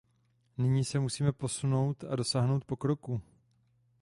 Nyní se musíme posunout a dosáhnout pokroku.